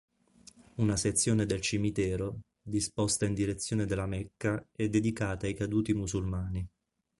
Una sezione del cimitero, disposta in direzione della Mecca, è dedicata ai caduti musulmani.